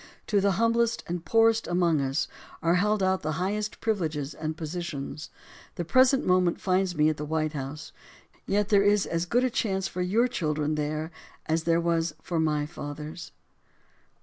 To the humblest and poorest amongst us are held out the highest privileges and positions. The present moment finds me at the White House, yet there is as good a chance for your children there as there was for my father's.